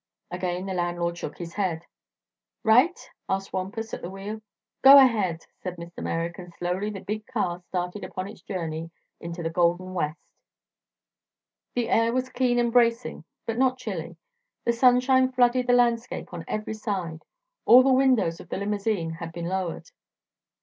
Again the landlord shook his head. "Right?" asked Wampus, at the wheel. "Go ahead," said Mr. Merrick, and slowly the big car started upon its journey into the Golden West. The air was keen and bracing, but not chilly. The sunshine flooded the landscape on every side. All the windows of the limousine had been lowered.